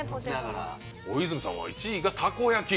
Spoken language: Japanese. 小泉さんは１位がたこ焼き。